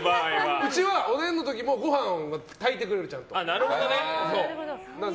うちはおでんの時もご飯は炊いてくれる、ちゃんと。